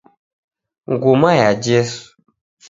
Nguma ya Jesu.